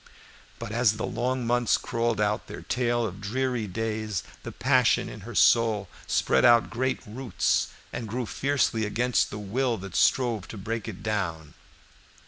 But as the long months crawled out their tale of dreary days, the passion in her soul spread out great roots and grew fiercely against the will that strove to break it down.